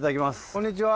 こんにちは。